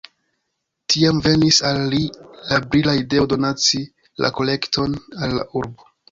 Tiam venis al li la brila ideo donaci la kolekton al la urbo.